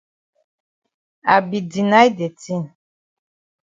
I be deny de tin.